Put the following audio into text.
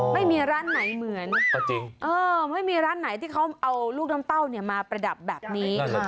ไม่มีร้านไหนเหมือนไม่มีร้านไหนที่เขาเอาลูกน้ำเต้ามาประดับแบบนี้